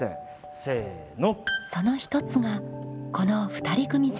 せの。